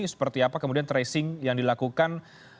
seperti apa kemudian tracing yang dilakukan